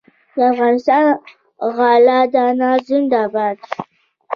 د افغانستان غله دانه زنده باد.